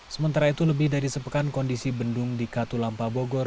sementara itu lebih dari sepekan kondisi bendung di katulampa bogor